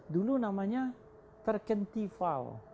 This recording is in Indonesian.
dulu namanya ferkentival